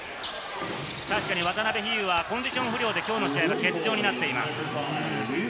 渡邉飛勇はコンディション不良できょうの試合は欠場になっています。